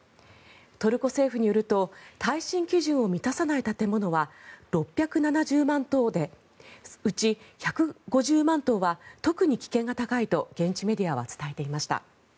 トルコ政府によると耐震基準を満たさない建物は６７０万棟でうち１５０万棟は特に危険が高いと現地メディアは伝えていました。